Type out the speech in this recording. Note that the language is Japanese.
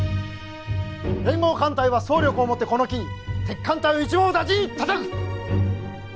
連合艦隊は総力をもってこの機に敵艦隊を一網打尽に叩く！